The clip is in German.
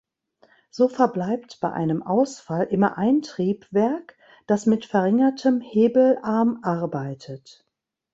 So verbleibt bei einem Ausfall immer ein Triebwerk, das mit verringertem Hebelarm arbeitet.